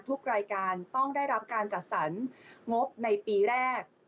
ทุกรายการต้องได้รับการจัดสรรงบในปีแรก